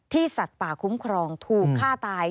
สัตว์ป่าคุ้มครองถูกฆ่าตาย